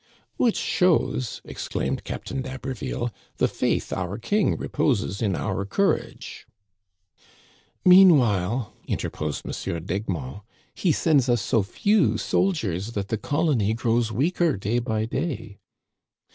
"Which shows," exclaimed Captain d'Haberville, " the faith our King reposes in our courage." "Meanwhile," interposed M. d'Egmont, "he sends us so few soldiers that the colony grows weaker day by day."